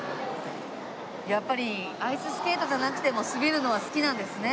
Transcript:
やっぱりアイススケートじゃなくても滑るのは好きなんですね。